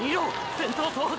先頭総北！！